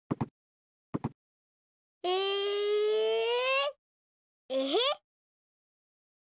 ええへっ。